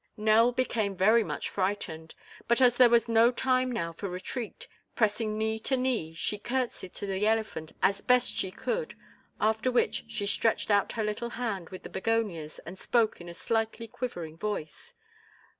Nell became very much frightened, but as there was no time now for retreat, pressing knee to knee, she curtsied to the elephant as best she could; after which she stretched out her little hand with the begonias and spoke in a slightly quivering voice.